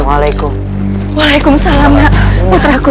aku akan membantuku